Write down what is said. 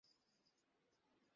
শয়তানের দল কোথাকার!